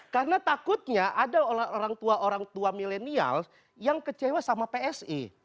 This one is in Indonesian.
karena takutnya ada orang tua orang tua milenial yang kecewa sama psi